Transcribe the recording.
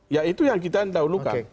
ya itu yang kita dahulukan